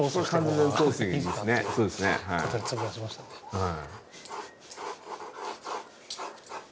はい。